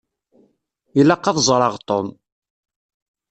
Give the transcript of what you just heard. Ilaq ad d-ẓṛeɣ Tom.